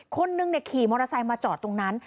คนนึงขี่มอเตอร์ไซค์มาจอดตรงนั้น